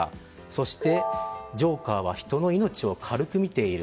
そして、ジョーカーは人の命を軽く見ている。